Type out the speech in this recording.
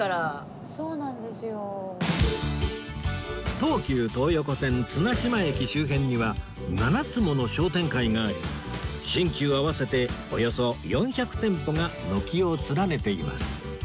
東急東横線綱島駅周辺には７つもの商店会があり新旧合わせておよそ４００店舗が軒を連ねています